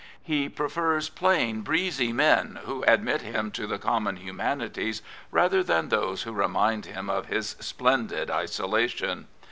He prefers plain, breezy men who admit him to the common humanities rather than those who remind him of his splendid isolation.